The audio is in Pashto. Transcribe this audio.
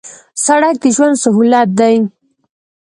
سړک د ژوند سهولت دی